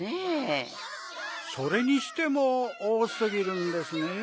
それにしてもおおすぎるんですねぇ。